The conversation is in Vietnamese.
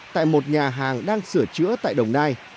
tại một nhà hàng đang sửa chữa tại đồng nai